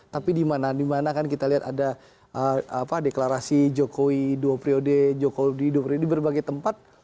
tapi di mana mana kan kita lihat ada deklarasi jokowi dua priode jokowi dua priode di berbagai tempat